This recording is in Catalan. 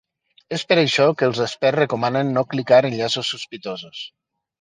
És per això que els experts recomanen de no clicar enllaços sospitosos.